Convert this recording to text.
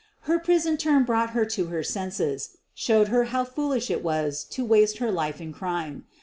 Her prison term brought her to her senses — showed her how foolish it was to waste her life in crime.